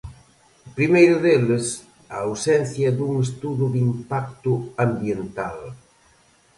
O primeiro deles, a ausencia dun estudo de impacto ambiental.